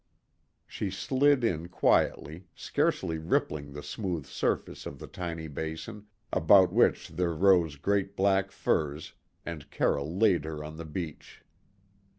She slid in quietly, scarcely rippling the smooth surface of the tiny basin, about which there rose great black firs, and Carroll laid her on the beach.